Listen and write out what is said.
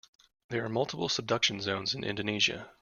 There are multiple subduction zones in Indonesia.